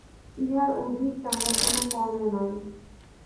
ইহার অধিক তাঁহার কোনো কর্ম নাই।